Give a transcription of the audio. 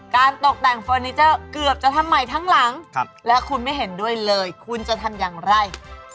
ตกแต่งเฟอร์นิเจอร์เกือบจะทำใหม่ทั้งหลังและคุณไม่เห็นด้วยเลยคุณจะทำอย่างไร